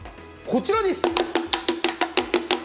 こちらです。